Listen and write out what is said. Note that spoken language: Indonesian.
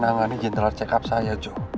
menangani general check up saya jo